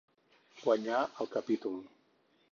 Guanyar el capítol.